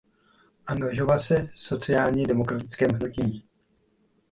Angažoval se v sociálně demokratickém hnutí.